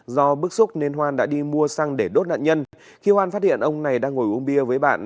do bức xúc nên hoan đã đi mua xăng để đốt nạn nhân khi hoan phát hiện ông này đang ngồi uống bia với bạn